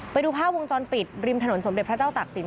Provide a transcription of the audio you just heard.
ไปดูภาพวงจรปิดริมถนนสมเด็จพระเจ้าตักศิล